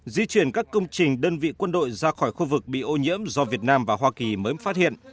di chuyển các công trình đơn vị quân đội ra khỏi khu vực bị ô nhiễm do việt nam và hoa kỳ mới phát hiện